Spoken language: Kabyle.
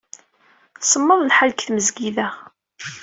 Semmeḍ lḥal deg tmezgida.